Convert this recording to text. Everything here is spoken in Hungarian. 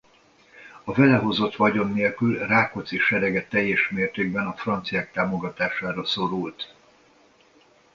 A vele hozott vagyon nélkül Rákóczi serege teljes mértékben a franciák támogatására szorult.